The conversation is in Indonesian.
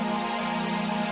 sini kita balik lagi